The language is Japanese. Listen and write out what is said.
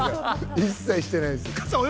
一切してないです。